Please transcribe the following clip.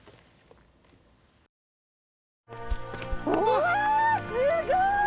うわすごい！